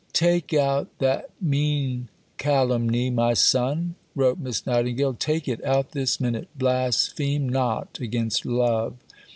"Take out that mean calumny, my son," wrote Miss Nightingale; "take it out this minute; blaspheme not against Love."